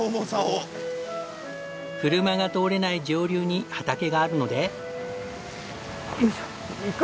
車が通れない上流に畑があるので。